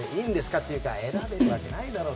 っていうか選べるわけないだろう